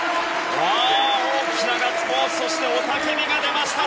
大きなガッツポーズそして雄たけびが出た